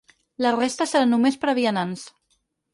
La resta seran només per a vianants.